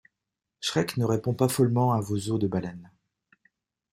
Shrek ne répond pas follement à vos os de baleine.